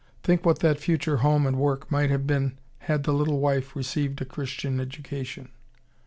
Think what that future home and work might have been had the little wife received a Christian education!